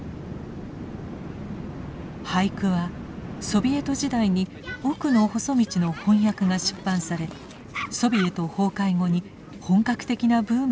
俳句はソビエト時代に「おくのほそ道」の翻訳が出版されソビエト崩壊後に本格的なブームが起きました。